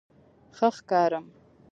_ښه ښکارم؟